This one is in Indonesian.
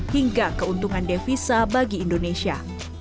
hingga keuntungan devisa bagi indonesia